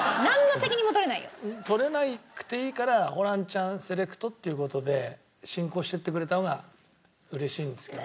取れなくていいからホランちゃんセレクトっていう事で進行していってくれた方が嬉しいんですけど。